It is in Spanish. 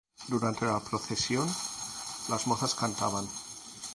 Durante la procesión las mozas cantaban.